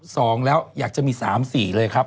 สองแล้วอยากจะมีสามสี่เลยครับ